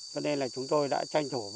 cho nên là chúng tôi đã tranh thủ